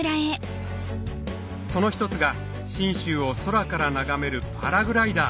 その１つが信州を空から眺めるパラグライダー